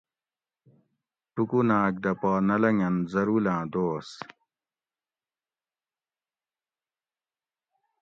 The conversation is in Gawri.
ٹُوکوناۤگ دہ پا نہ لۤنگۤنت ضرولاۤں دوس